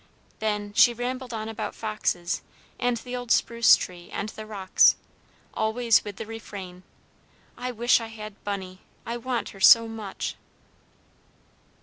Then she rambled on about foxes, and the old spruce tree, and the rocks, always with the refrain, "I wish I had Bunny; I want her so much!"